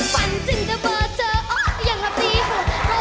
ฝันจึงเจอเบอร์เธออ๊ะยังรับดีเหอะ